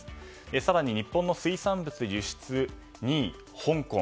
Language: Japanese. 更に日本の水産物輸出２位、香港。